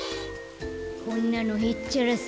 こんなのへっちゃらさ。